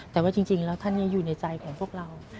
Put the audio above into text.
แต่ว่าจริงแล้วท่านยังอยู่ในใจของพวกเรา